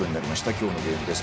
今日のゲームです。